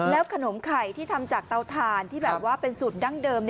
ขนมไข่ที่ทำจากเตาถ่านที่แบบว่าเป็นสูตรดั้งเดิม